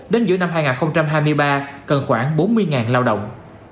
đến giữa năm hai nghìn hai mươi ba cần khoảng bốn mươi lao động